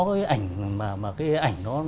cái ảnh mà